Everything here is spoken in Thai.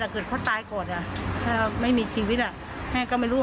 ก็เกิดเพราะตายโกรธอ่ะถ้าไม่มีชีวิตอ่ะแม่ก็ไม่รู้